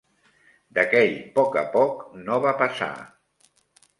D'aquell poc a poc no va passar.